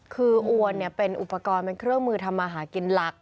คืออวนเป็นอุปกรณ์เป็นเครื่องมือทำมาหากินหลัก